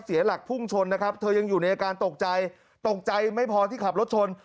เสียหลักพุ่งชนนะครับเธอยังอยู่ในอาการตกใจตกใจไม่พอที่ขับรถชน